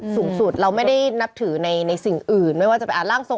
สูงสุดเราไม่ได้นับถือในสิ่งอื่นไม่ว่าจะเป็นร่างทรง